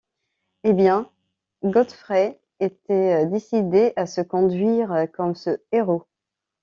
Eh bien, Godfrey était décidé à se conduire comme ce héros!